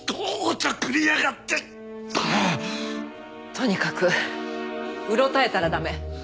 とにかくうろたえたら駄目。